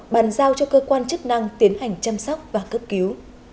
bàn giao cho cơ quan chức năng tiến hành chăm sóc và cấp cứu